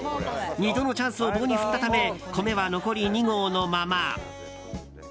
２度のチャンスを棒に振ったため米は残り２合のまま。